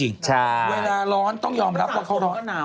เวลาร้อนต้องยอมรับว่าเขาร้อนหนาว